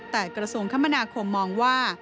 แต่กระทรวงคมนาคมมองว่า